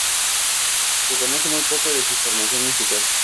Se conoce muy poco de su formación musical.